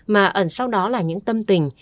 mà ẩn sau đó là những tâm tình